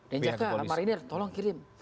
den zaka marinir tolong kirim